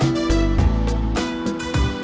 ih nggak maju lho ga jatuh